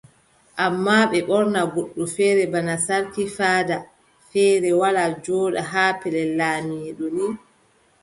Ammaa ɓe ɓorna goɗɗo feere bana sarki faada feere wara jooɗa haa pellel laamiiɗo ni.